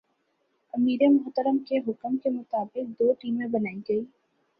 امیر محترم کے حکم کے مطابق دو ٹیمیں بنائی گئیں ۔